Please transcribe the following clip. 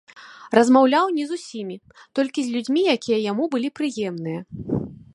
Размаўляў не з усімі, толькі з людзьмі, якія яму былі прыемныя.